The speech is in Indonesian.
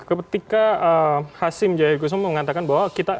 ketika hasim jaya gusung mengatakan bahwa